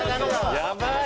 「やばい！